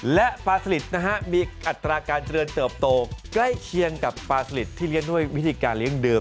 และปลาสลิดนะฮะมีอัตราการเจริญเติบโตใกล้เคียงกับปลาสลิดที่เลี้ยงด้วยวิธีการเลี้ยงเดิม